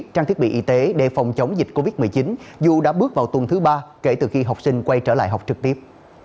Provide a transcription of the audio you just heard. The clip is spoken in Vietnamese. trang thiết bị y tế để phòng chống dịch covid một mươi chín dù đã bước vào tuần thứ ba kể từ khi học sinh quay trở lại học trực tiếp